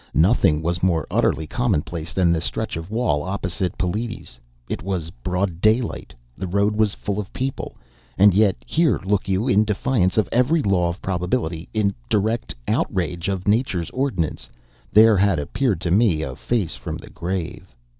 Nothing was more utterly commonplace than the stretch of wall opposite Peliti's. It was broad daylight. The road was full of people; and yet here, look you, in defiance of every law of probability, in direct outrage of Nature's ordinance, there had appeared to me a face from the grave.